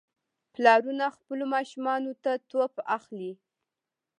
پلارونه خپلو ماشومانو ته توپ اخلي.